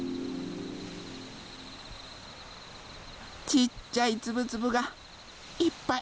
ちっちゃいつぶつぶがいっぱい。